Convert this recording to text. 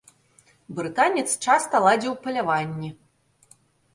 Брытанец часта ладзіў паляванні.